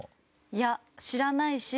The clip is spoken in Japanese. いや知らないし。